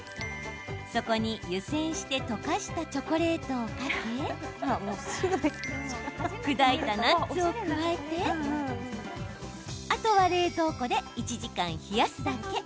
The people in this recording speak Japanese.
そこに湯せんして溶かしたチョコレートをかけ砕いたナッツを加えてあとは冷蔵庫で１時間冷やすだけ。